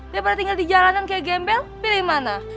daripada tinggal di jalanan kayak gembel pilih mana